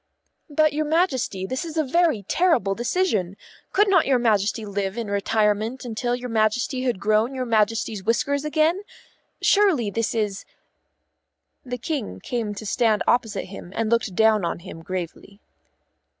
"But, your Majesty, this is a very terrible decision. Could not your Majesty live in retirement until your Majesty had grown your Majesty's whiskers again? Surely this is " The King came to a stand opposite him and looked down on him gravely.